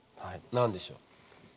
何でしょう？